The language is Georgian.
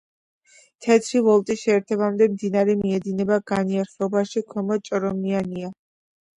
თეთრი ვოლტის შეერთებამდე მდინარე მიედინება განიერ ხეობაში, ქვემოთ ჭორომიანია.